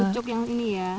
pucuk yang ini ya